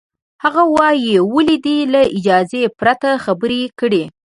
هغه وایي، ولې دې له اجازې پرته خبرې کړې؟